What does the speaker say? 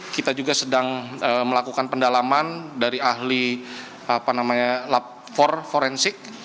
kita juga sedang melakukan pendalaman dari ahli apa namanya lapor forensik